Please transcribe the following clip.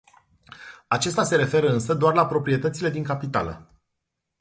Acesta se referă însă doar la proprietățile din capitală.